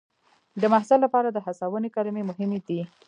د محصل لپاره د هڅونې کلمې مهمې دي.